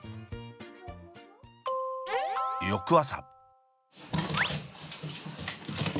翌朝。